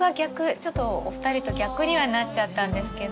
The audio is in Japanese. ちょっとお二人と逆にはなっちゃったんですけど。